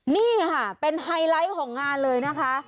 นี่ค่ะเป็นไฮไลท์ของงานเลยนะคะ